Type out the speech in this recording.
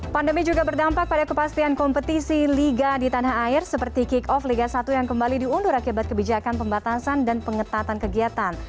pandemi juga berdampak pada kepastian kompetisi liga di tanah air seperti kick off liga satu yang kembali diundur akibat kebijakan pembatasan dan pengetatan kegiatan